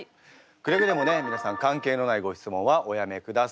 くれぐれもね皆さん関係のないご質問はおやめください。